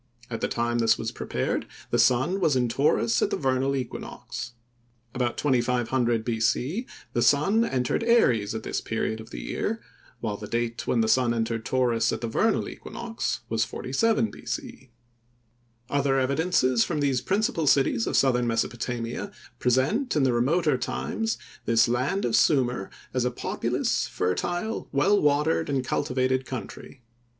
At the time this was prepared the sun was in Taurus at the vernal equinox. About 2500 B. C., the sun entered Aries at this period of the year, while the date when the sun entered Taurus at the vernal equinox was 4700 B. C. Other evidences from these principal cities of southern Mesopotamia, present, in the remoter times, this land of Sumir as a populous, fertile, well watered and cultivated country.